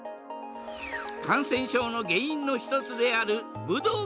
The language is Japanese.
感染症の原因の一つであるブドウ